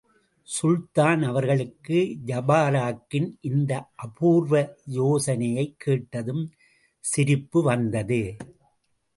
சுல்தான் அவர்களுக்கு ஜபாரக்கின் இந்த அபூர்வ யோசனையைக் கேட்டதும், சிரிப்பு வந்தது.